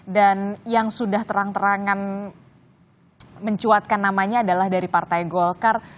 dan yang sudah terang terangan mencuatkan namanya adalah dari partai golkar